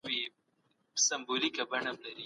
د ښځو تعلیم د ټولنیز پرمختګ مهم عنصر دی.